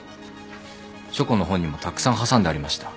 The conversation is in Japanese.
書庫の本にもたくさん挟んでありました。